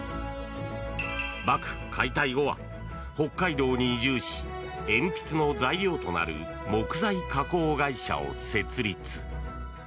幕府解体後は北海道に移住し鉛筆の材料となる木材加工会社を設立。